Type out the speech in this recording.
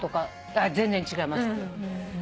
「いや全然違います」